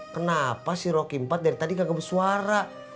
kenapa si rokimpat dari tadi kagak bersuara